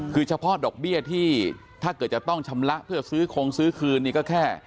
คือเฉพาะดอกเบี้ยที่ถ้าเกิดจะต้องชำระเพื่อซื้อคงซื้อคืนนี่ก็แค่